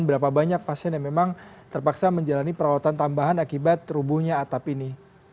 berapa banyak pasien yang memang terpaksa menjalani perawatan tambahan akibat rubuhnya atap ini